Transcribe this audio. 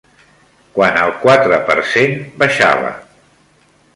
Quan el quatre per cent baixava